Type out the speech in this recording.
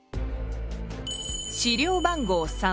資料番号３。